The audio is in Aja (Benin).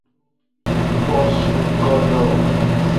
Bosu godo.